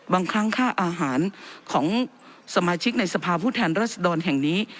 บางครั้งค่าอาหารของสมาชิกในสภาพผู้แทนรัศดรแห่งนี้